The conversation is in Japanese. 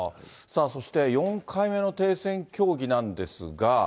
そして、４回目の停戦協議なんですが。